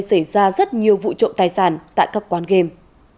xảy ra rất nhiều vụ trộm tài sản tại các quán game